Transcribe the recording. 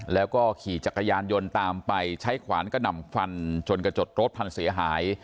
แล้วก็ขี่จักรยานยนต์ตามไปใช้ขวานกระหน่ำฟันจนกระจกรถพังเสียหาย